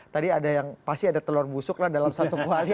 tadi ada yang pasti ada telur busuk lah dalam satu koalisi